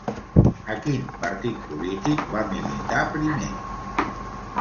A quin partit polític va militar primer?